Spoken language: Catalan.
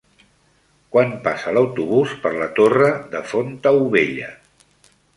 Quan passa l'autobús per la Torre de Fontaubella?